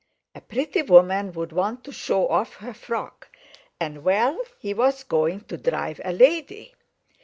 A pretty woman would want to show off her frock; and well—he was going to drive a lady!